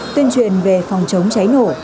tuyên truyền về phòng chống cháy nổ